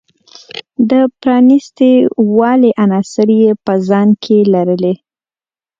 د پرانیست والي عناصر یې په ځان کې لرلی.